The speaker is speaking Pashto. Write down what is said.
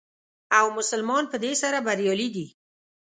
او مسلمانان په دې سره بریالي دي.